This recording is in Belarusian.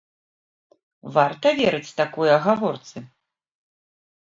Варта верыць такой агаворцы?